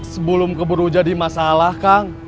sebelum keburu jadi masalah kang